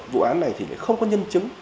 vụ án này thì không có nhân chứng